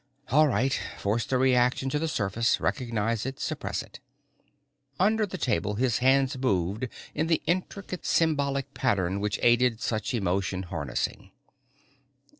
All right, force the reaction to the surface, recognize it, suppress it. Under the table his hands moved in the intricate symbolic pattern which aided such emotion harnessing.